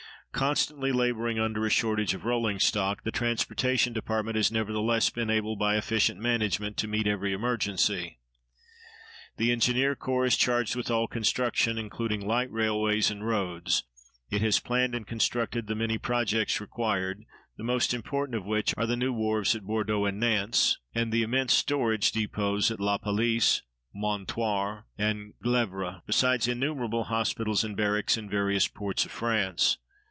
Constantly laboring under a shortage of rolling stock, the transportation department has nevertheless been able by efficient management to meet every emergency. The Engineer Corps is charged with all construction, including light railways and roads. It has planned and constructed the many projects required, the most important of which are the new wharves at Bordeaux and Nantes, and the immense storage depots at La Pallice, Mointoir, and Glèvres, besides innumerable hospitals and barracks in various ports of France.